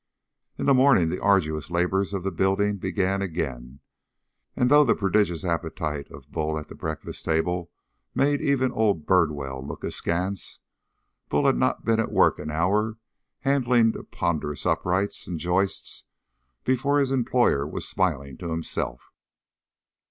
In the morning the arduous labors of the building began again, and though the prodigious appetite of Bull at the breakfast table made even old Bridewell look askance, Bull had not been at work an hour handling the ponderous uprights and joists before his employer was smiling to himself.